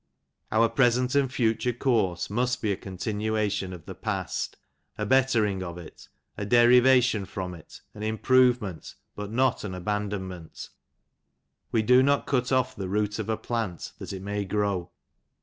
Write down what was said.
Our present and fixture course must be a continuation of the past, a battering of it, a derivation from it, an improvement, but not an abandonment ; we do not cut off the root of a plant that it may grow.